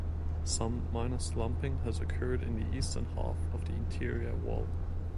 Some minor slumping has occurred in the eastern half of the interior wall.